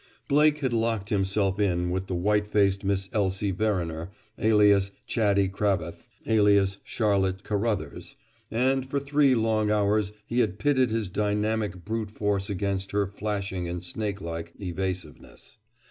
Blake had locked himself in with the white faced Miss Elsie Verriner, alias Chaddy Cravath, alias Charlotte Carruthers, and for three long hours he had pitted his dynamic brute force against her flashing and snake like evasiveness.